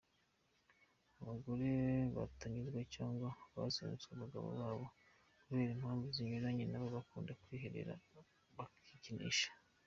Abagore batanyurwa cyangwa bazinutswe abagabo babo kubera impamvu zinyuranye nabo bakunda kwiherera bakikinisha.